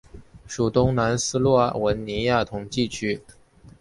属东南斯洛文尼亚统计区。